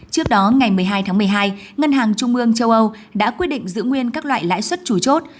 trước đó ngày một mươi hai tháng một mươi hai ngân hàng trung ương châu âu đã quyết định giữ nguyên các loại lãi suất chủ chốt